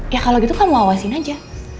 ya kalau gitu kamu awasin aja